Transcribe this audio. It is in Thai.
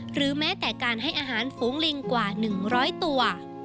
หรือแม้แต่การให้อาหารฝูงลิงกว่า๑๐๐ตัว